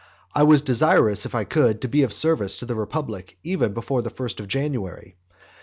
I was desirous, if I could, to be of service to the republic even before the first of January.